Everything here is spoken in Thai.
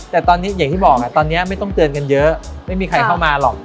แต่ตอนนี้อย่างที่บอกตอนนี้ไม่ต้องเตือนกันเยอะไม่มีใครเข้ามาหรอก